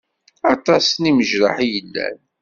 Aṭas n imejraḥ i yellan.